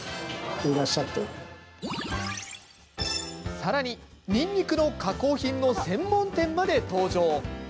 さらに、にんにくの加工品の専門店まで登場。